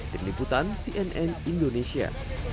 diliputan cnn indonesia